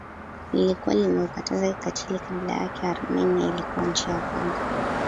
lilikuwa limeukataza kikatili Kabla yake Armenia ilikuwa nchi ya kwanza